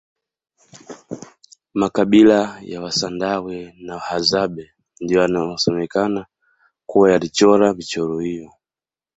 makabila ya wasandawe na wahadzabe ndiyo yanaosemekana kuwa yalichora michoro hiyo